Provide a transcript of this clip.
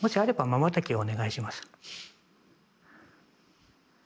まばたきをお願いします。